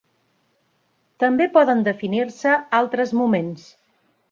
També poden definir-se altres moments.